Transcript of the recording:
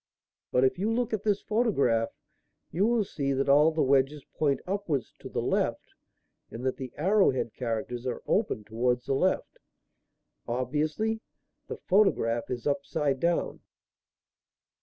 But if you look at this photograph you will see that all the wedges point upwards to the left and that the arrow head characters are open towards the left. Obviously the photograph is upside down."